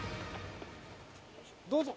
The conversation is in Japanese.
どうぞ。